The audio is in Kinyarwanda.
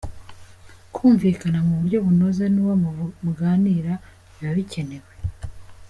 Kumvikana mu buryo bunoze n’uwo muganira biba bikenewe.